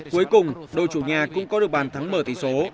cuối cùng đội chủ nhà cũng có được bàn thắng mở tỷ số